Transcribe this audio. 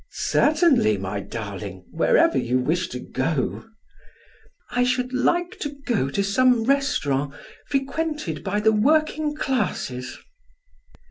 "Certainly, my darling, wherever you wish to go." "I should like to go to some restaurant frequented by the working classes."